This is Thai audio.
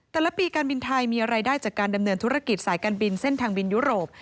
แต่ละปีการบินไทยมีรายได้จากการดำเนินธุรกิจสายการบินเส้นทางบินยุโรป